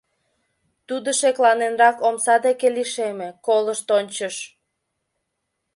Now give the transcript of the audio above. Тудо шекланенрак омса деке лишеме, колышт ончыш.